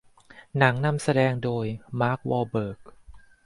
หนังนำแสดงโดย มาร์ค วอห์ลเบิร์ก